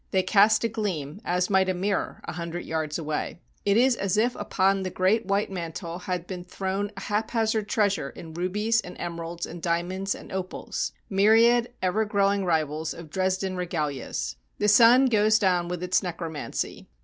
They cast a gleam, as might a mirror, a hundred yards away. It is as if upon the great white mantle had been thrown haphazard treasuries in rubies and emeralds and dia monds and opals, — myriad ever growing rivals of Dres den regalias. The sun goes down with its necromancy.